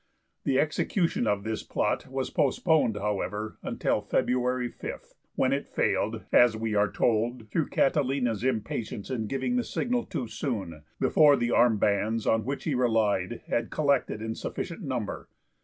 The execution of this plot was postponed, however, until February 5, when it failed, as we are told, through Catilina's impatience in giving the signal too soon, before the armed bands on which he relied had collected in sufficient number.